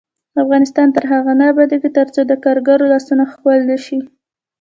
افغانستان تر هغو نه ابادیږي، ترڅو د کارګر لاسونه ښکل نشي.